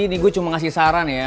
ini gue cuma ngasih saran ya